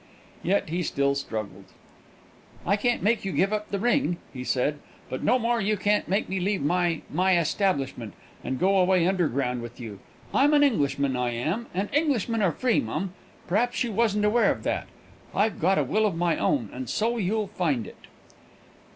Yet he still struggled. "I can't make you give up the ring," he said; "but no more you can't make me leave my my establishment, and go away underground with you. I'm an Englishman, I am, and Englishmen are free, mum; p'r'aps you wasn't aware of that? I've got a will of my own, and so you'll find it!"